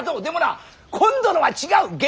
でもな今度のは違う。